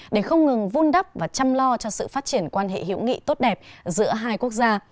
để không ngừng vun đắp và chăm lo cho sự phát triển quan hệ hữu nghị tốt đẹp giữa hai quốc gia